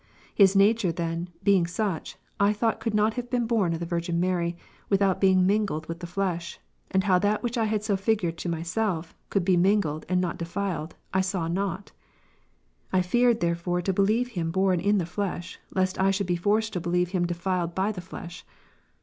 His nature then, being such, I thought could not be born of the Virgin Mary, without being mingled with the flesh : and how that which I had so figured to myself, could be mingled, and not defiled, I saw not. I feared therefore to believe Him born in the flesh, lest I should be forced to believe Him defiled by the flesh''.